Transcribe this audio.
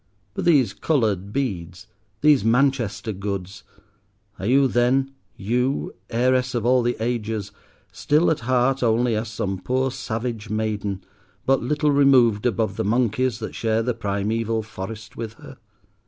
But these coloured beads, these Manchester goods! are you then—you, heiress of all the ages—still at heart only as some poor savage maiden but little removed above the monkeys that share the primeval forest with her?